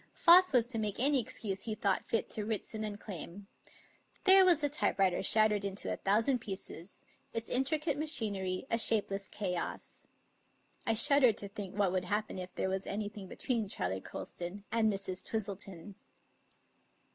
Foss was to make any excuse he thought fit to Writson & Clame. There was the typewriter shattered into a thousand pieces, its intricate machinery a shapeless chaos. I shud dered to think what would happen if there was anything between Charley Colston and Mrs. Twistleton.